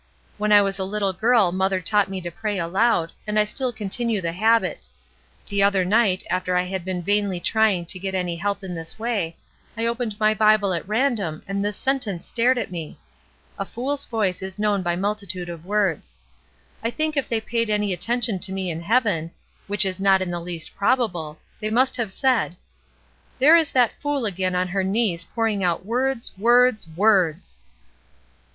When I was a little girl mother taught me to pray aloud, and I still continue the habit; the other night, after I had been vainly trying to get any help in this way, I opened my Bible at random and this sentence stared at me, 'A fooFs voice is known by mul titude of words.' I think if they paid any atten tion to me in heaven — which is not in the least probable — they must have said, 'There is that fool again on her knees pouring out words, words, words!'''